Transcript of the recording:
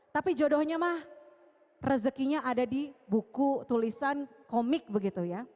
tapi jodohnya mah rezekinya ada di buku tulisan komik begitu ya